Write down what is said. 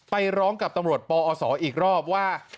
ไปร้องกับตำรวจปอศอีกรอบว่า